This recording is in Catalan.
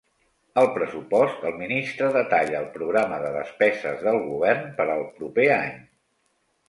Al pressupost, el ministre detalla el programa de despeses del govern per al proper any.